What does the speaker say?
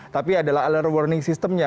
tapi adalah alarm warning sistemnya